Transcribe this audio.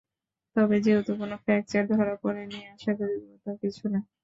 তবে যেহেতু কোনো ফ্র্যাকচার ধরা পড়েনি, আশা করি গুরুতর কিছু না।